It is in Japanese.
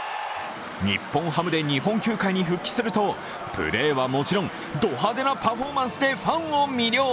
日本ハムで日本球界に復帰すると、プレーはもちろん、ド派手なパフォーマンスでファンを魅了。